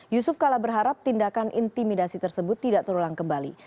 yusuf kala berharap tindakan intimidasi tersebut tidak terulang kembali